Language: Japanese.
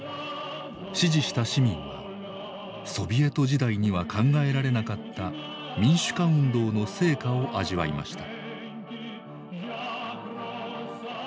支持した市民はソビエト時代には考えられなかった民主化運動の成果を味わいました。